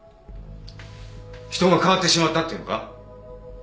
人が変わってしまったって言うのか？